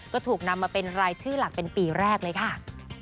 ก็ถูกนำมาเป็นรายชื่อหลักเป็นปีแรกเลยค่ะ